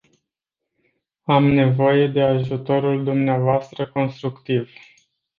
Am nevoie de ajutorul dumneavoastră constructiv.